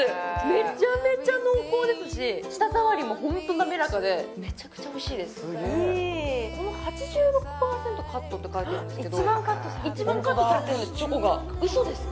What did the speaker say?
めちゃめちゃ濃厚ですし舌触りもホント滑らかでめちゃくちゃおいしいですこの８６％カットって書いてあるんですけど一番カットされてるんです